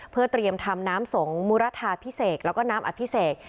เพื่อเตรียมทำน้ำสงฆ์มุรทาพิเศษแล้วก็น้ำอภิเษก